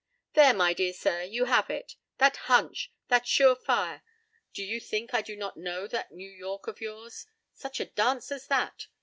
p> "There, my dear sir, you have it. That 'hunch!' That 'sure fire!' Do you think I do not know that New York of yours? Such a dance as that!